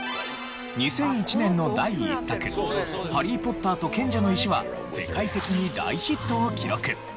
２００１年の第１作『ハリー・ポッターと賢者の石』は世界的に大ヒットを記録。